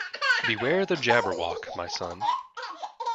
Beware the Jabberwock, my son!